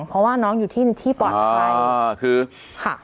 เพราะว่าน้องอยู่ที่ปลอดภัย